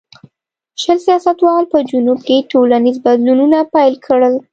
شل سیاستوالو په جنوب کې ټولنیز بدلونونه پیل کړل.